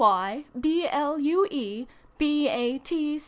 Y. B. L. U. E. B. A.